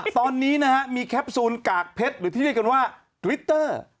ตอนนี้นะฮะมีแคปซูลกากเพชรหรือที่เรียกกันว่าทวิตเตอร์